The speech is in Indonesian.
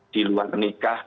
di luar nikah